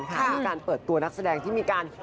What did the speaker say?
มีการเปิดตัวนักแสดงที่มีการ